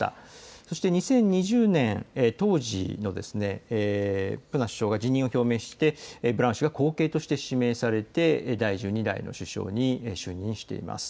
そして２０２０年当時のプナ首相が辞任を表明してブラウン氏が後継として指名されて第１２代の首相に就任しています。